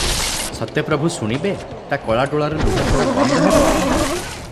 ସତେ ପ୍ରଭୁ ଶୁଣିବେ- ତା କଳା ଡୋଳାରୁ ଲୁହଧାର ବନ୍ଦ ହେବ?